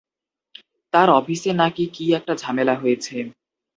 তার অফিসে নাকি কী-একটা ঝামেলা হয়েছে।